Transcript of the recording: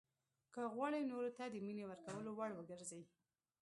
که غواړئ نورو ته د مینې ورکولو وړ وګرځئ.